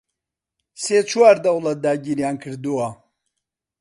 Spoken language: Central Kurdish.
سێ چوار دەوڵەت داگیریان کردووە